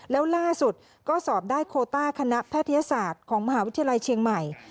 แล้วล่าสุดก็สอบได้โคต้าคณะแพทยศาสตร์ของมหาวิทยาลัยเชียงใหม่